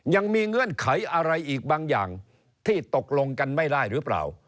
เงื่อนไขอะไรอีกบางอย่างที่ตกลงกันไม่ได้หรือเปล่า